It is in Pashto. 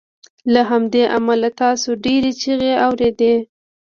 له همدې امله تاسو ډیرې چیغې اوریدې